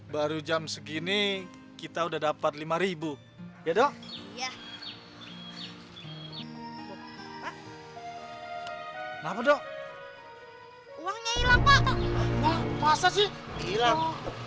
baru jam segini kita udah dapat rp lima ya dong ya hai apa dong uangnya hilang pak masa sih hilang